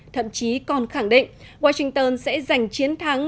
thậm chí còn khẳng định washington sẽ giành chiến thắng